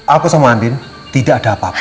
aku sama andin tidak ada apa apa